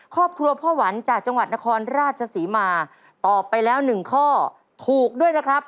ครอบครัวพ่อหวันจากจังหวัดนครราชศรีมาตอบไปแล้วหนึ่งข้อถูกด้วยนะครับ